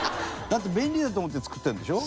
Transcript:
だって、便利だと思って作ってるんでしょ。